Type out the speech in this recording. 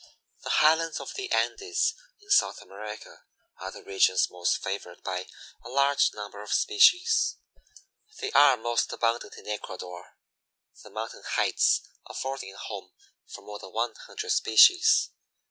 The highlands of the Andes in South America are the regions most favored by a large number of species. They are most abundant in Ecuador, the mountain heights affording a home for more than one hundred species.